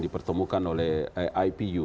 dipertemukan oleh ipu